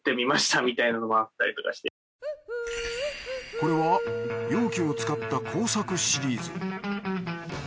これは容器を使った工作シリーズ